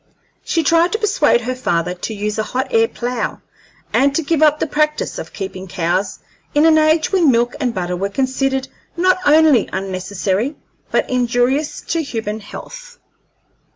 She tried to persuade her father to use a hot air plough, and to give up the practice of keeping cows in an age when milk and butter were considered not only unnecessary, but injurious to human health.